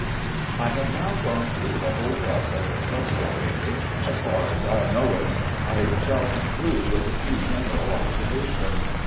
I have now gone through the whole process of fresco painting as far as I know it. I shall conclude with a few general observations.